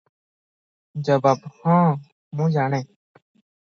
ଜବାବ - ହଁ, ମୁଁ ଜାଣେ ।